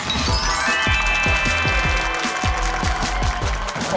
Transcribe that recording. สวัสดีครับสวัสดีครับ